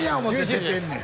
出てんねん